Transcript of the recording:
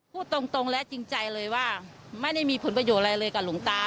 พูดตรงและจริงใจเลยว่าไม่ได้มีผลประโยชน์อะไรเลยกับหลวงตา